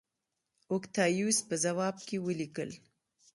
اوکتایوس په ځواب کې ولیکل